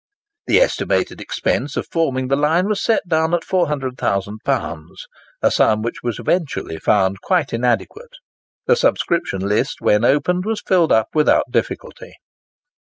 The estimated expense of forming the line was set down at £400,000,—a sum which was eventually found quite inadequate. The subscription list when opened was filled up without difficulty.